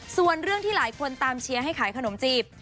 ส่วนเรื่องที่หลายคนตามเชียร์ให้ขายขนมจีบ